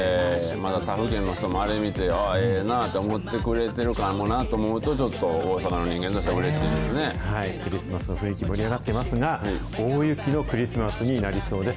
また他府県の人もあれ見て、ああ、ええなと思ってくれてるかもなと思うとちょっと、大阪の人間としクリスマスの雰囲気盛り上がっていますが、大雪のクリスマスになりそうです。